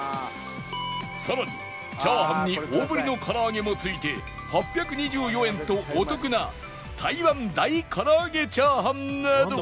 さらにチャーハンに大ぶりのからあげもついて８２４円とお得な台湾大からあげチャーハンなど